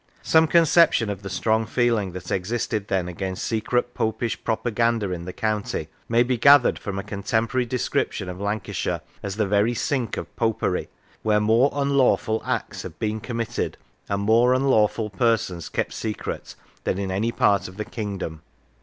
Some con ception of the strong feeling that existed then against secret Popish propaganda in the county may be gathered from a contemporary description of Lan cashire as " the very sink of Popery, where more un lawful acts have been committed, and more unlawful persons kept secret than in any part of the Kingdom."